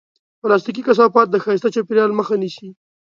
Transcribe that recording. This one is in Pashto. پلاستيکي کثافات د ښایسته چاپېریال مخه نیسي.